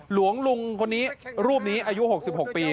หลวงลุงคนนี้รูปนี้อายุ๖๖ปี